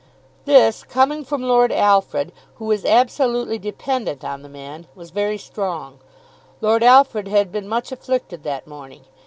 This, coming from Lord Alfred, who was absolutely dependent on the man, was very strong. Lord Alfred had been much afflicted that morning.